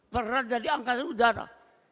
peran dari angkatan udara